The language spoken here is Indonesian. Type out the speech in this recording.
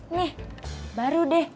nih baru deh